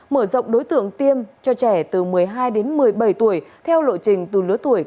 mở rộng đối tượng tiêm cho trẻ từ một mươi hai đến một mươi bảy tuổi theo lộ trình từ lứa tuổi